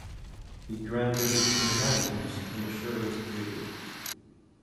He granted its inhabitants an assurance treaty.